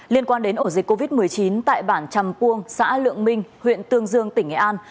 liên quan đến ổ dịch covid một mươi chín tại bản trầm puông xã lượng minh huyện tương dương tỉnh nghệ an